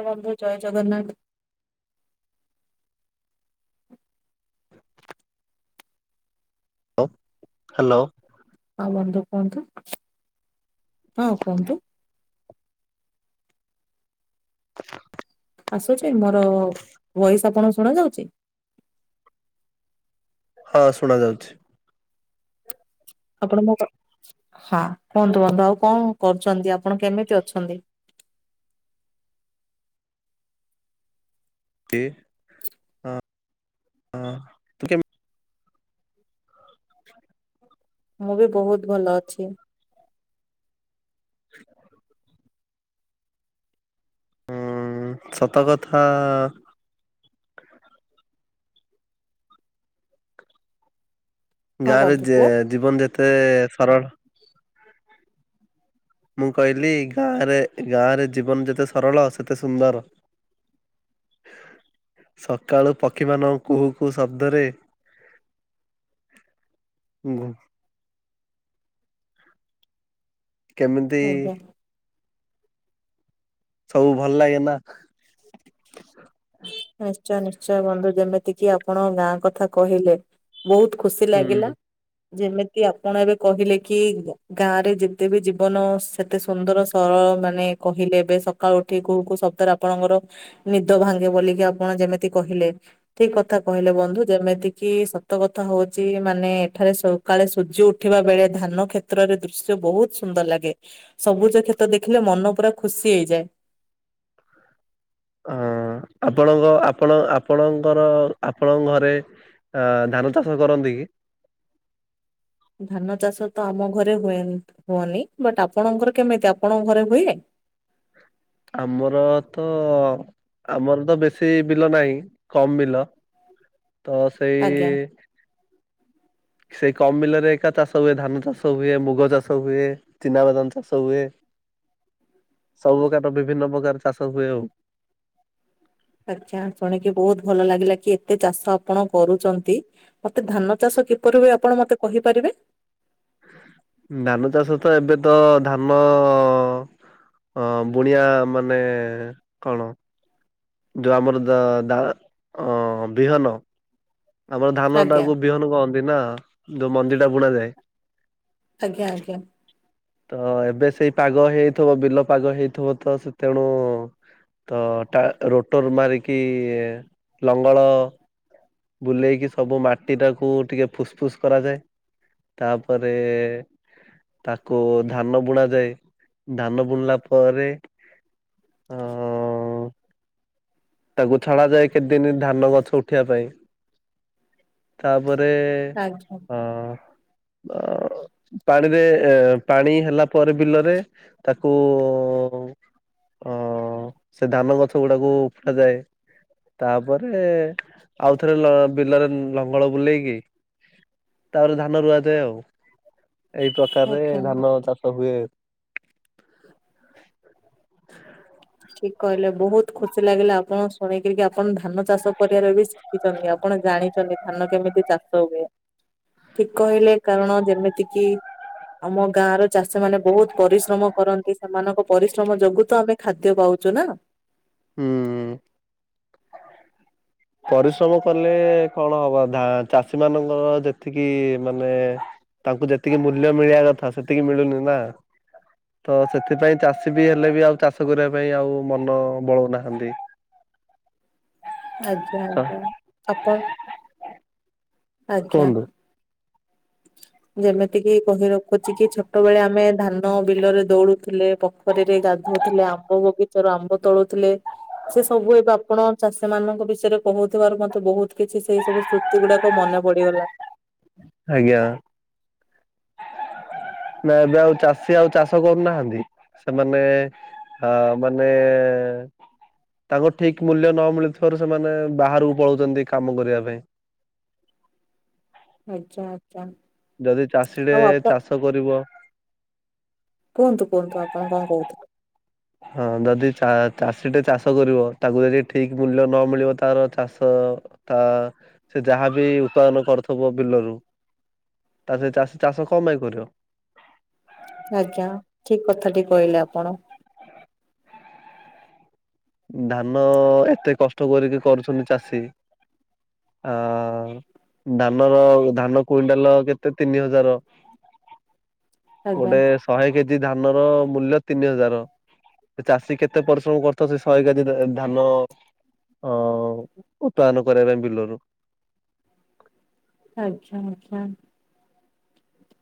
[unintelligible] ଜୟ ଜଗନ୍ନାଥ ହ ହ୍ୟାଲୋ ହଁ ବନ୍ଧୁ କୁହନ୍ତୁ ହଁ କୁହନ୍ତୁ। ଆସୁଛି ମୋର ଭଏସ ଆପଣ ଶୁଣା ଯାଉଛି? ହଁ ଶୁଣା ଯାଉଛି। ଆପଣ ମ ପା ହଁ କୁହନ୍ତୁ ବନ୍ଧୁ ଆଉ କଣ କରୁଛନ୍ତି ଆପଣ କେମିତି ଅଛନ୍ତି? [unintelligible] ହଁ ହଁ। ତୁ କେମି ମୁଁ ବି ବହୁତ ଭଲ ଅଛି। ସତକଥା। ହଁ ଗାଁରେ ବନ୍ଧୁ ଜେ କୁହ ଜୀବନ ଯେତେ ସରଳ ମୁଁ କହିଲି ଗାଁରେ ଗାଁରେ ଜୀବନ ଯେତେ ସରଳ ସେତେ ସୁନ୍ଦର। ସକାଳୁ ପକ୍ଷୀମାନଙ୍କ କୁହୁ କୁହୁ ଶବ୍ଦରେ ହୁଁ। କେମିତି ଆଜ୍ଞା ସବୁ ଭଲ ଲାଗେ ନା। ନିଶ୍ଚୟ ନିଶ୍ଚୟ ବନ୍ଧୁ ଯେମିତି କିି ଆପଣ ଗାଁ କଥା କହିଲେ ବହୁତ ଖୁସି ଲାଗିଲା ହୁଁ। ଯେମିତି ଆପଣ ଏବେ କହିଲେ କି ଗାଁ ରେ ଯେତେ ବି ଜୀବନ ସେତେ ସୁନ୍ଦର ସରଳ ମାନେ କହିଲେ ଏବେ ସକାଳୁ ଉଠି କୋଉ କୋଉ ସପ୍ତାହରେ। ଆପଣଙ୍କର ନିଦ ଭାଙ୍ଗେ ବୋଲି ଆପଣ ଯେମିତି କହିଲେ। ଠିକ କଥା କହିଲେ ବନ୍ଧୁ ଯେମିତି କିି ସତ କଥା ହଉଚି ମାନେ ଏଠାରେ ସବୁ ସକାଳେ ସୂର୍ଯ୍ୟ ଉଠିବା ବେଳେ ଧାନ କ୍ଷେତ୍ରରେ ଦୃଶ୍ୟ ବହୁତ ସୁନ୍ଦର ଲାଗେ। ସବୁଜ କ୍ଷେତ ଦେଖିଲେ ମନ ପୁରା ଖୁସି ହେଇଯାଏ। ହଁ ଆପଣଙ୍କ ଆପଣ ଆପଣଙ୍କର ଆପଣଙ୍କ ଘରେ। ହଁ ଧାନ ଚାଷ କରନ୍ତି କି। ଧାନ ଚାଷ ତ ଆମ ଘରେ ହୁଏ ହୁଏନି ବଟ୍ ଆପଣଙ୍କର କେମିତି ଆପଣଙ୍କ ଘରେ ହୁଏ? ଆମର ତ ଆମର ତ ବେଶୀ ବିଲ ନାହିଁ କମ୍ ବିଲ। ତ ଆଜ୍ଞା ସେଇ। ସେଇ କମ୍ ବିଲରେ ଏକା ଚାଷ ହୁଏ ଧାନ ଚାଷ ହୁଏ ମୁଗ ଚାଷ ହୁଏ। ଚିନା ବଦାନ ଚାଷ ହୁଏ ସବୁ ପ୍ରକାର ବିଭିନ୍ନ ପ୍ରକାର ଚାଷ ହୁଏ ଆଉ। ଆଚ୍ଛା ଶୁଣିକି ବହୁତ ଭଲ ଲାଗିଲା କି ଏତେ ଚାଷ ଆପଣ କରୁଚନ୍ତି। ମୋତେ ଧାନ ଚାଷ କିପରି ହୁଏ ଆପଣ ମତେ କହିପାରିବେ? ଧାନ ଚାଷ ତ ଏବେ ତ ଧାନ। ହଁ ବୁଣିଆ ମାନେ କଣ। ଯୋଉ ଆମର ଦା ବିହନ। ଆମର ଆଜ୍ଞା ଧାନଟାକୁ ବିହନ କଅନ୍ତି ନା ଯୋଉ ମଞ୍ଜିଟା ବୁଣା ଯାଏ। ଆଜ୍ଞା ଆଜ୍ଞା। ତ ଏବେ ସେଇ ପାଗ ହେଇଥିବ ବିଲ ପାଗ ହେଇଥିବ ତ ସେ ତେଣୁ। ତ ଟା ରୋଟର ମାରିକି ଲଙ୍ଗଳ। ବୁଲେଇକି ସବୁ ମାଟିଟାକୁ ଟିକେ ଫୁସଫୁସ୍ କରାଯାଏ। ତାପରେ। ତାକୁ ଧାନ ବୁଣାଯାଏ ଧାନ ବୁଣିଲା ପରେ। ଅଁ। ତାକୁ ଛଡାଯାଏ କେତେଦିନ ଧାନ ଗଛ ଉଠିବା ପାଇଁ। ତାପରେ। ଆଜ୍ଞା ହଁ। ପାଣିରେ ପାଣି ହେଲା ପରେ ବିଲରେ। ତାକୁ ଅଁ ସେ ଧାନ ଗଛ ଗୁଡାକୁ। ରଖା ଯାଏ ତାପରେ ଆଉ ଥରେ ବିଲରେ। ଲଙ୍ଗଳ ବୁଲେଇକି। ତାପରେ ଧାନ ରୁଆଯାଏ ଆଉ ଏଇ ପ୍ରକାରରେ ଆଜ୍ଞା ଧାନ ଚାଷ ହୁଏ। ଠିକ୍ କହିଲେ ବହୁତ ଖୁସି ଲାଗିଲା ଆପଣ ଶୁଣିକି ଆପଣ ଧାନ ଚାଷ କରିବାରେ ବି ଦେଖିଚନ୍ତି ଆପଣ ଜାଣିଚନ୍ତି ଧାନ କେମିତି ଚାଷ ହୁଏ। ଠିକ କହିଲେ କାରଣ ଯେମିତି କିି ଆମ ଗାଁର ଚାଷୀ ମାନେ ବହୁତ ପରିଶ୍ରମ କରନ୍ତି। ସେମାନଙ୍କ ପରିଶ୍ରମ ଯୋଗୁ ତ ଆମେ ଖାଦ୍ୟ ପାଉଛୁ ନା। ହୁଁ। ପରିଶ୍ରମ କଲେ କଣ ହବ ଧା ଚାଷୀ ମାନଙ୍କର ଯେତିକି ମାନେ। ତାଙ୍କୁ ଯେତିକି ମୂଲ୍ୟ ମିଳିବା କଥା ସେତିକି ମିଳୁନି ନା। ତ ସେଥିପାଇଁ ଚାଷୀ ବି ହେଲେ ବି ଆଉ ଚାଷ କରିବା ପାଇଁ ଆଉ ମନ ବଳଉନାହାଁନ୍ତି। ଆଜ୍ଞା ହଁ ଆଜ୍ଞା ଆପଣ ଆଜ୍ଞା। କୁହନ୍ତୁ ଯେମିତିକି କହିର ଖଜିକି ଛୋଟବେଳେ ଆମେ ଧାନ ବିଲରେ ଦୌଡୁଥିଲେ। ପାଖରିରେ ଗାଧୋଉଥିଲେ ଆମ୍ବ ବଗିଚାରୁ ଆମ୍ବ ତୋଳୁଥିଲେ। ସେ ସବୁ ଏବେ ଆପଣ ଚାଷୀ ମାନଙ୍କ ବିଷୟରେ କହୁଥିବାରୁ ମତେ ବହୁତ କିଛି ସେଇ ସବୁ ସେଗୁଡାକ ମନେ ପଡିଗଲା। ଆଜ୍ଞା। ନା ଏବେ ଆଉ ଚାଷୀ ଆଉ ଚାଷ କରୁନାହାନ୍ତି ସେମାନେ। ହଁ ମାନେ। ତାଙ୍କ ଠିକ ମୂଲ୍ୟ ନ ମିଳୁଥିବାରୁ ସେମାନେ ବାହାରକୁ ପଳାଉଛନ୍ତି କାମ କରିବା ପାଇଁ। ଆଚ୍ଛା ଆଚ୍ଛା। ଯଦି ଚାଷୀଟେ ଚାଷ କରିବ। କୁହନ୍ତୁ କୁହନ୍ତୁ ଆପଣ କଣ କହୁଥିଲେ? ହଁ ଯଦି ଚା ଚାଷୀଟେ ଚାଷ କରିବ, ତାକୁ ଯଦି ଠିକ ମୂଲ୍ୟ ନ ମିଳିବ ତାର ଚାଷ ତା ସେ ଯାହାବ ଉତ୍ପାଦନ କରୁଥିବ ବିଲରୁ ତା ସେ ଚାଷୀ ଚାଷ କଣ ପାଇଁ କରିବ। ଆଜ୍ଞା ଠିକ କଥାଟିି କହିଲେ ଆପଣ। ଧାନ ଏତେ କଷ୍ଟ କରିକି କରୁଛନ୍ତି ଚାଷୀ। ଆ ଧାନର ଧାନ କୁଇଣ୍ଟାଲ କେତେ ତିନି ହଜାର। [unintelligible] ଆଜ୍ଞା। ଗୋଟେ ଶହେ କେଜି ଧାନର ମୂଲ୍ୟ ତିନି ହଜାର ଚାଷୀ କେତେ ପରିଶ୍ରମ କର ତ ସେ ଶହେ କାଜି ଧାନ ଅ ଉତ୍ପାଦନ କରିବା ପାଇଁ ବିଲରୁ। ଆଚ୍ଛା ଆଚ୍ଛା।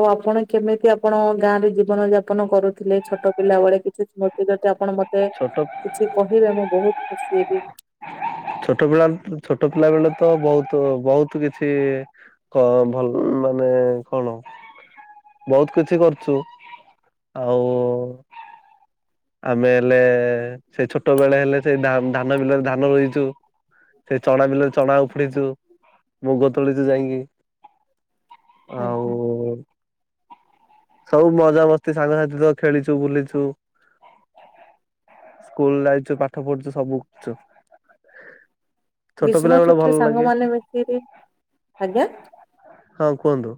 ଆଉ ଆପଣ କେମିତି ଆପଣ ଗାଁ ରେ ଜୀବନ ଯାପନ କରୁଥିଲେ ଛୋଟ ପିଲାବେଳେ କିଛି ସମୟ ଯଦି ଆପଣ ମତେ ଛୋଟ କିଛି କହିବେ ମୁଁ ବହୁତ ଖୁସି ହେବି। ଛୋଟ ବେଳେ ଆମେ ଛୋଟ ପିଲା ଛୋଟ ପିଲା ବେଳେ ତ ବହୁତ ବହୁତ କିଛି କ ଭଲ ମାନେ କଣ। ବହୁତ କିଛି କରିଛୁ ଆଉ ଆମେ ହେଲେ ସେଇ ଛୋଟ ବେଳେ ହେଲେ ସେଇ ଧାନ ବିଲରେ ଧାନ ରୋଇଛୁ। ସେ ଚଣା ବିଲରେ ଚଣା ଉପୁଡେଇଛୁ, ମୁଗ ତୋଳିଛୁ ଯାଇକି। ଆଜ୍ଞା। ଆଉ ସବୁ ମଜାମସ୍ତି ସାଙ୍ଗସାଥି ସହ ଖେଳିଛୁ ବୁଲିଛୁ। ସ୍କୁଲ ଯାଇଛୁ ପାଠ ପଢୁଛୁ ସବୁ କରିଛୁ। ଗ୍ରୀଷ୍ମ ଛୁଟିରେ ସାଙ୍ଗ ମାନ ମିଶିକି ଆଜ୍ଞା। ହଁ କୁହନ୍ତୁ।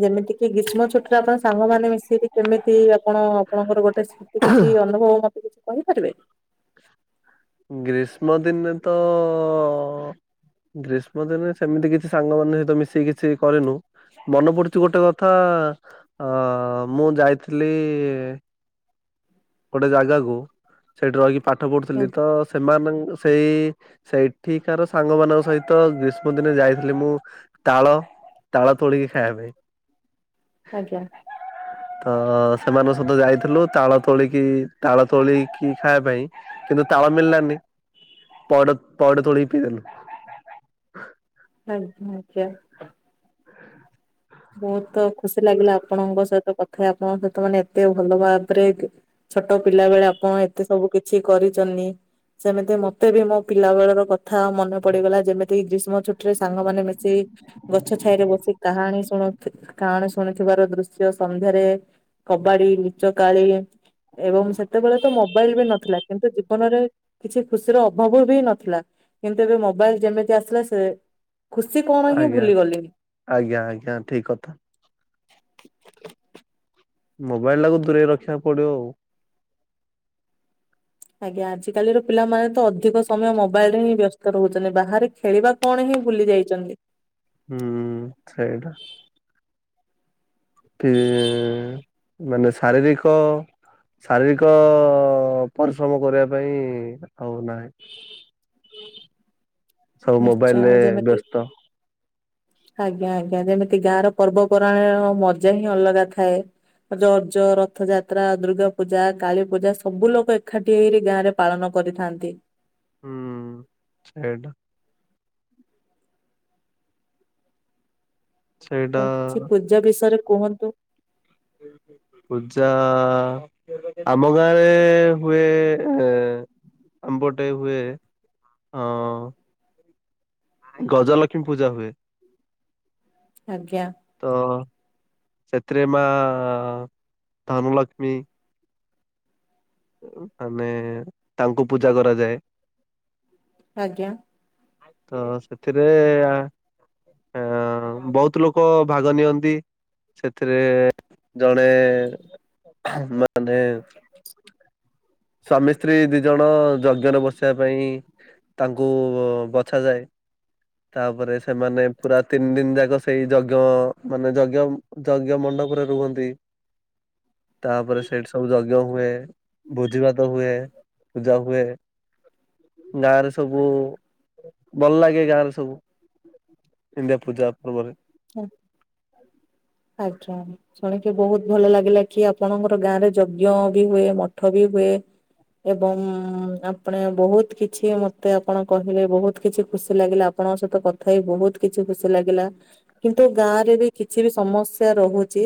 ଯେମିତି କିି ଗ୍ରୀଷ୍ମ ଛୁଟରେ ଆପଣ ସାଙ୍ଗମାନେ ମିଶିକି କେମିତି ଆପଣ ଆପଣଙ୍କର ଗୋଟେ ସ୍ମୃତି କିଛି ଅନୁଭବ ମତେ କିଛି କହିପାରିବେ? ଗ୍ରୀଷ୍ମ ଦିନରେ ତ ଗ୍ରୀଷ୍ମ ଦିନରେ ସେମିତି କିଛି ସାଙ୍ଗ ମାନଙ୍କ ସହିତ ମିଶିକି କିଛି କରିନୁ। ମନେ ପଡୁଛି ଗୋଟେ କଥା ଅ ମୁଁ ଯାଇଥିଲି ଗୋଟେ ଜାଗାକୁ। ସେଠି ରହିକି ପାଠ ପଢୁଥିଲି ତ ସେମାନ ସେଇ ସେଇଠିକାର ସାଙ୍ଗ ମାନଙ୍କ ସହିତ ଗ୍ରୀଷ୍ମ ଦିନେ ଯାଇଥିଲି ମୁଁ ତାଳ ତାଳ ତୋଳିକି ଖାଇବା ପାଇଁ। ଆଜ୍ଞା। ତ ସେମାନଙ୍କ ସହିତ ଯାଇଥିଲୁ ତାଳ ତୋଳିକି ତାଳ ତୋଳିକି ଖାଇବା ପାଇଁ। କିନ୍ତୁ ତାଳ ମିଳିଲାନି ପଇଡ଼ ପାଇଡ଼ ତୋଲିକି ପିଇଦେଲୁ। ଆଜ୍ଞା ଆଜ୍ଞା। ବହୁତ ଖୁସି ଲାଗିଲା ଆପଣଙ୍କ ସହିତ କଥା ଆପଣଙ୍କ ସହିତ ମାନେ ଏତେ ଭଲ ଭାବରେ ଛୋଟ ପିଲା ବେଳେ ଆପଣ ଏତେ ସବୁ କିଛି କରିଛନ୍ତି। ସେମିତି ମତେ ବି ମୋ ପିଲା ବେଳର କଥା ମନେ ପଡିଗଲା ଯେମିତି ଗ୍ରୀଷ୍ମ ଛୁ ଟିରେ ସାଙ୍ଗ ମାନେ ମିଶି ଗଛ ଛାଇରେ ବସି କାହାଣୀ ଶୁଣ କାହାଣ ଶୁଣୁଥିବାର ଦୃଶ୍ୟ ସନ୍ଧ୍ୟାରେ କବାଡି, ଲୁଚକାଳି, ଏବଂ ସେତେବେଳେ ତ ମୋବାଇଲ ବି ନଥିଲା କିନ୍ତୁ ଜୀବନରେ କିଛି ଖୁସିର ଅଭାବ ବି ନଥିଲା କିନ୍ତୁ ଏବେ ମୋବାଇଲ ଯେମିତି ଆସିଲା ସେ ଖୁସି କଣ ହିଁ ଆଜ୍ଞା। ଭୁଲିଗଲିଣି। ଆଜ୍ଞା ଆଜ୍ଞା ଠିକ୍ କଥା। ମୋବାଇଲଟାକୁ ଦୂରେଇ ରଖିବାକୁ ପଡିବ ଆଉ। ଆଜ୍ଞା ଆଜିକାଲିର ପିଲାମାନେ ତ ଅଧିକ ସମୟ ମୋବାଇଲରେ ହିଁ ବ୍ୟସ୍ତ ରହୁଛନ୍ତି ବାହାରେ ଖେଳିବା କଣ ହିଁ ଭୁଲି ଯାଇଛନ୍ତି। ହୁଁ ସେଇଟା। କି ମାନେ ଶାରୀରିକ ଶାରୀରିକ ପରିଶ୍ରମ କରିବା ପାଇଁ ଆଉ ନାହିଁ। ସବୁ ନିଶ୍ଚୟ ମୋବାଇଲରେ ଯେମିତି ବ୍ୟସ୍ତ ଆଜ୍ଞା ଆଜ୍ଞା ଯେମିତି ଗାଁର ପର୍ବପର୍ବାଣୀର ମଜା ହିଁ ଅଲଗା ଥାଏ। ରଜ, ରଥଯାତ୍ରା, ଦୁର୍ଗାପୂଜା, କାଳୀପୂଜା, ସବୁ ଲୋକ ଏକାଠି ହେଇରି ଗାଁରେ ପାଳନ କରିଥାନ୍ତି। ହୁଁ ସେଇଟା। ସେଇଟା ହଉ କିଛି ପୂଜା ବିଷୟରେ କୁହନ୍ତୁ? ପୂଜା ଆମ ଗାଁରେ ହୁଏ, ଆମ ପଟେ ହୁଏ। ହଁ ଗଜଲକ୍ଷ୍ମୀ ପୂଜା ହୁଏ। ଆଜ୍ଞା। ତ ସେଥିରେ ମାଆ ଧନ ଲକ୍ଷ୍ମୀ ମାନେ ତାଙ୍କୁ ପୂଜା କରାଯାଏ। ଆଜ୍ଞା। ତ ସେଥିରେ ଆ ବହୁତ ଲୋକ ଭାଗ ନିଅନ୍ତି। ସେଥିରେ ଜଣେ ମାନେ ସ୍ୱାମୀ ସ୍ତ୍ରୀ ଦି ଜଣ ଯଜ୍ଞରେ ବସିବା ପାଇଁ ତାଙ୍କୁ ବଛାଯାଏ। ତାପରେ ସେମାନେ ପୁରା ତିନି ଦିନି ଯାକ ସେଇ ଯଜ୍ଞ ମାନେ ଯଜ୍ଞ ଯଜ୍ଞ ମଣ୍ଡପରେ ରୁହନ୍ତି, ତାପରେ ସେଇଠି ସବୁ ଯଜ୍ଞ ହୁଏ। ଭୋଜି ଭାତ ହୁଏ, ପୂଜା ହୁଏ। ଗାଁରେ ସବୁ ଭଲ ଲାଗେ ଗାଁରେ ସବୁ। ଏମ୍ ତିଆ ପୂଜା ପର୍ବରେ। [inaudible] ଆଜ୍ଞା। ଶୁଣିକି ବହୁତ ଭଲ ଲାଗିଲା କି ଆପଣଙ୍କର ଗାଁରେ ଯଜ୍ଞ ବି ହୁଏ, ମଠ ବି ହୁଏ। ଏବଂ ଉଁ ଆପଣେ ବହୁତ କିଛି ମତେ ଆପଣ କହିଲେ ବହୁତ କିଛି ଖୁସି ଲାଗିଲା ଆ ଆପଣଙ୍କ ସହିତ କଥା ହେଇ ବହୁତ କିଛି ଖୁସି ଲାଗିଲା। କିନ୍ତୁ ଗାଁରେ ବି କିଛି ବି ସମସ୍ୟା ରହୁଛି।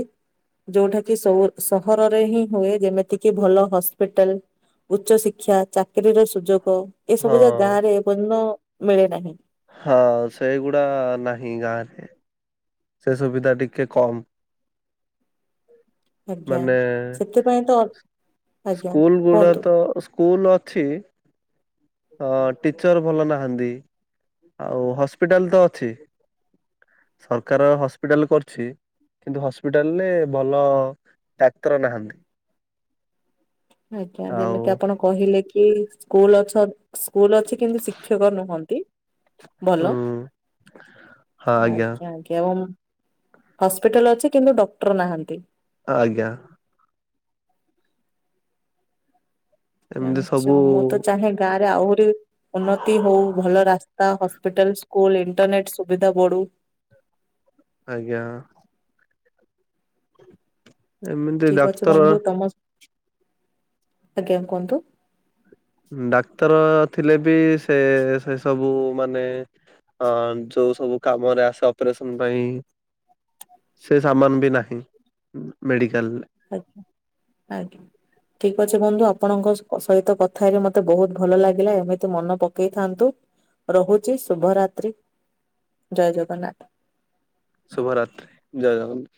ଯୋଉଠାକି ସହୁର୍ ସହରରେ ହିଁ ହୁଏ ଯେମିତିକିି ଭଲ ହସ୍ପିଟାଲ୍ ଉଚ୍ଚଶିକ୍ଷା, ଚାକିରିୀର ସୁଯୋଗ ହଁ। ଏସବୁ ଯା ଗାଁରେ ଏପର୍ଯ୍ୟନ୍ତ ମିଳି ନାହିଁ। ହଁ ସେଇଗୁଡ଼ା ନାହିଁ ଗାଁରେ। ସେ ସୁବିଧା ଟିକେ କମ୍। [inaudible] ଆଜ୍ଞା ମାନେ ସେଥିପାଇଁ ତ, ଆଜ୍ଞା କୁହନ୍ତୁ। ସ୍କୁଲ୍ ଅଛି। ହଁ ଟିଚର ଭଲ ନାହାନ୍ତି, ଆଉ ହସ୍ପିଟାଲ୍ ତ ଅଛି। ସରକାର ହସ୍ପିଟାଲ୍ କରୁଛି। କିନ୍ତୁ ହସ୍ପିଟାଲରେ ଭଲ ଡାକ୍ତର ନାହାନ୍ତି। ଆଜ୍ଞା ଆଉ ଯେମିତି ଆପଣ କହିଲେ କି ସ୍କୁଲ ଅଛ ସ୍କୁଲ ଅଛି କିନ୍ତୁ ଶିକ୍ଷକ ନୁହନ୍ତି ହୁଁ ଭଲ। ଆଜ୍ଞା ଆଜ୍ଞା ଏବଂ ହସ୍ପିଟାଲ ଅଛି କିନ୍ତୁ ଡକ୍ଟର ନାହାନ୍ତି। ଆଜ୍ଞା। ଏମିତି ସବୁ ମୁଁ ତ ଚାହେଁ ଗାଁ ରେ ଆହୁରି ଉନ୍ନତି ହଉ ଭଲ ରାସ୍ତା ହସ୍ପିଟାଲ ସ୍କୁଲ ଇଣ୍ଟରନେଟ ସୁବିଧା ବଢୁ। ଆଜ୍ଞା। ଏମିତି ଠିକ ଅଛି ଡାକ୍ତର ବନ୍ଧୁ ତମ ଆଜ୍ଞା କୁହନ୍ତୁ? ଡାକ୍ତର ଥିଲେ ବି ସେ ସେ ସବୁ ମାନେ ହଁ ଯୋଉ ସବୁ କାମରେ ଆସେ ଅପରେସନ ପାଇଁ ସେ ସାମାନ ବି ନାହିଁ ମେଡ଼ିକାଲରେ। ଆଛା ଆଜ୍ଞା। ଠିକ ଅଛ ବନ୍ଧୁ ଆପଣଙ୍କ ସହିତ କଥା ହେଲେ ମତେ ବହୁତ ଭଲ ଲାଗିଲା ଏମିତି ମନ ପକେଇଥାନ୍ତୁ। ରହୁଛି ଶୁଭରାତ୍ରି ଜୟ ଜଗନ୍ନାଥ। ଶୁଭ ରାତ୍ରି ଜୟ ଜଗନ